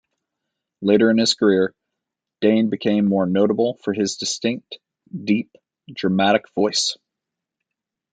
Later in his career, Dane became more notable for his distinctively deep, dramatic voice.